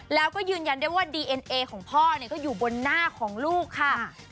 แล้วก็ยืนยันได้ว่าดีเอ็นเอของพ่อก็อยู่บนหน้าของลูกค่ะ